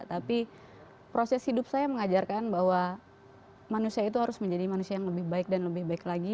tapi proses hidup saya mengajarkan bahwa manusia itu harus menjadi manusia yang lebih baik dan lebih baik lagi